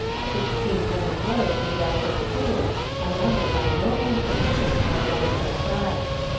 Sixteen men and boys made up her crew, a number by no means sufficient for a boat of her size.